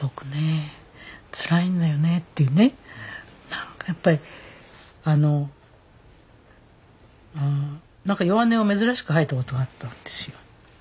何かやっぱり弱音を珍しく吐いたことがあったんですよ。